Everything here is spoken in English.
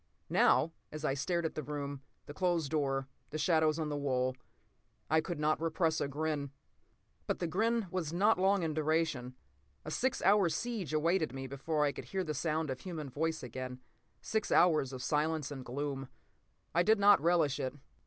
Now, as I stared at the room, the closed door, the shadows on the wall, I could not repress a grin. But the grin was not long in duration. A six hour siege awaited me before I could hear the sound of humanvoice again—six hours of silence and gloom. I did not relish it.